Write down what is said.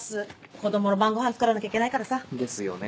子供の晩ごはん作らなきゃいけないからさ。ですよね。